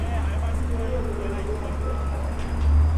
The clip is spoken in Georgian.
ფილმი ალეგორიული ხასიათისაა.